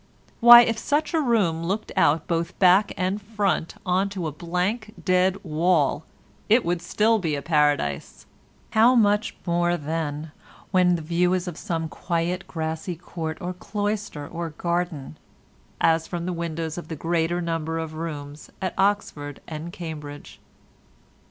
Why, if such a room looked out both back and front on to a blank dead wall it would still be a paradise, how much more then when the view is of some quiet grassy court or cloister or garden, as from the windows of the greater number of rooms at Oxford and Cambridge.